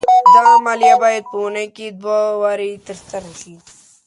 دا عملیه باید په اونۍ کې دوه وارې تر سره شي.